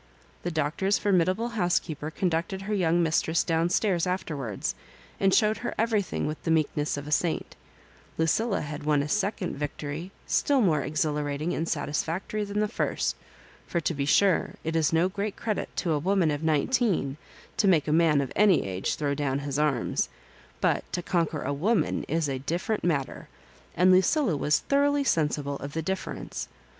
The Doctor's formidable housekeeper conducted her young mistress down stairs afi; er wards, and showed her everything with the meekness of a saint Lucilla had won a second victory still more exhilarating and satisfactory than the first ; for, to be sure, it is no great crc dit to a woman of nineteen to make a man of any age throw down his arms ; but to conquer a woman is a different matter, and Lucilla was thoroughly sensible of the difference.